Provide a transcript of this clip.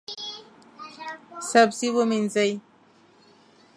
سبزي ومینځئ